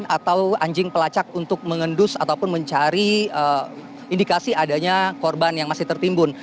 atau anjing pelacak untuk mengendus ataupun mencari indikasi adanya korban yang masih tertimbun